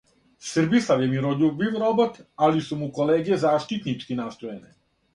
СРБИСЛАВ је мирољубив робот, али су му колеге заштитнички настројене!